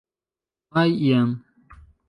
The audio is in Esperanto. Kaj jen.